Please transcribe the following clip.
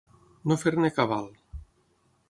No fer-ne cabal.